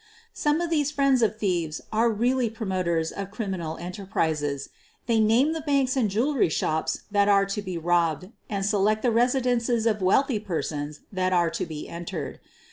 Some of these friends of thieves are really pro moters of criminal enterprises. They name the banks and jewelry shops that are to be robbed and select the residences of wealthy persons that are to be entered.